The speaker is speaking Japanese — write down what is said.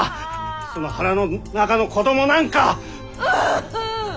その腹の中の子どもなんか。